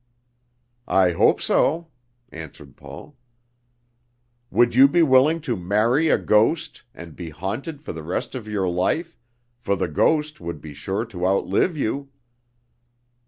"I hope so," answered Paul. "Would you be willing to marry a ghost, and be haunted for the rest of your life; for the ghost would be sure to outlive you?"